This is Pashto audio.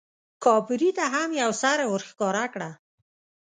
کاپري ته هم یو سر ورښکاره کړه.